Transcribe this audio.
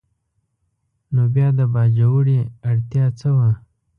نو بیا د باجوړي اړتیا څه وه؟